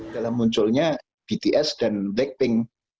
dalam munculnya bts dan blackpink